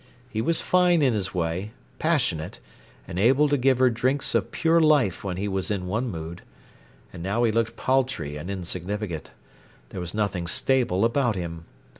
He was fine in his way, passionate, and able to give her drinks of pure life when he was in one mood. And now he looked paltry and insignificant. There was nothing stable about him.